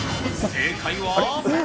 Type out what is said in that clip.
正解は。